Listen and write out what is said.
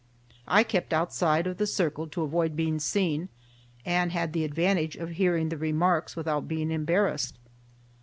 I kept outside of the circle to avoid being seen, and had the advantage of hearing the remarks without being embarrassed.